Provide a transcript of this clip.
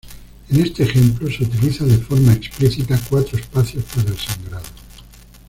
En este ejemplo se utiliza de forma explícita cuatro espacios para el sangrado.